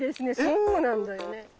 そうなんだよね。